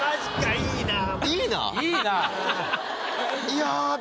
いや！